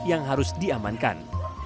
yang harus diamankan